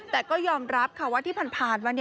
แต่ก็ยอมรับค่ะว่าที่ผ่านมา